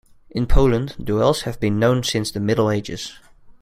In Poland duels have been known since the Middle Ages.